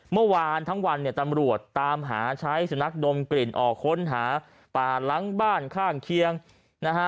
เมื่อวานทั้งวันเนี่ยตำรวจตามหาใช้สุนัขดมกลิ่นออกค้นหาป่าหลังบ้านข้างเคียงนะฮะ